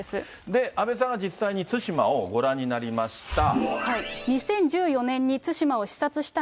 で、阿部さんが実際に対馬をご覧になりました。